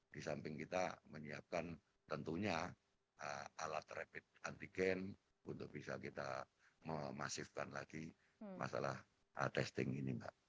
di samping kita menyiapkan tentunya alat rapid antigen untuk bisa kita memasifkan lagi masalah testing ini mbak